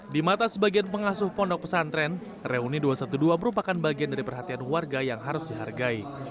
di mata sebagian pengasuh pondok pesantren reuni dua ratus dua belas merupakan bagian dari perhatian warga yang harus dihargai